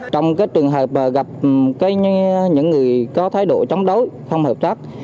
trong trường hợp gặp những người có thái độ chống đối không hợp tác